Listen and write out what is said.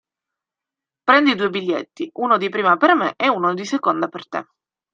Prendi due biglietti, uno di prima per me e uno di seconda per te.